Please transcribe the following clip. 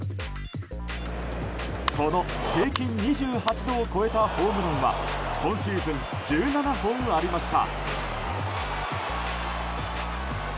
この平均２８度を超えたホームランは今シーズン１７本目ありました。